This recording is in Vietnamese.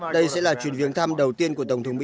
đây sẽ là chuyến viếng thăm đầu tiên của tổng thống mỹ